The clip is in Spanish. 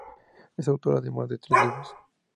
Es autor además de tres libros.